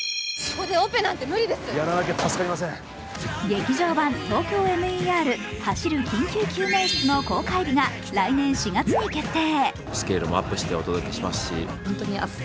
劇場版「ＴＯＫＹＯＭＥＲ走る緊急救命室」の公開日が、来年４月に決定。